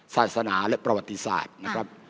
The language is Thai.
ศาสนาและประวัติศาสตร์นะครับ